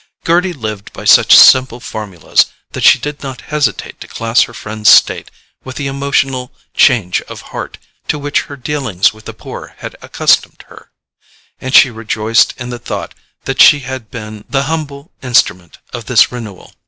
Gerty lived by such simple formulas that she did not hesitate to class her friend's state with the emotional "change of heart" to which her dealings with the poor had accustomed her; and she rejoiced in the thought that she had been the humble instrument of this renewal.